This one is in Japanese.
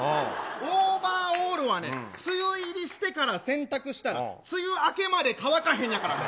オーバーオールはね、梅雨入りしてから洗濯したら、梅雨明けまで乾かへんのやから。